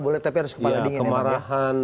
boleh tapi harus kepala dingin ya ya kemarahan